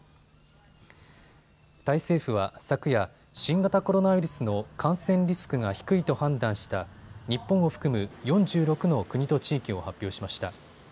タイ政府は昨夜、新型コロナウイルスの感染リスクが低いと判断した日本を含む４６の国と地域を発表しました。